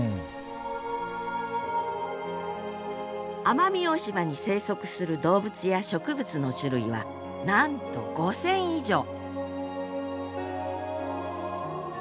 奄美大島に生息する動物や植物の種類はなんと５，０００以上！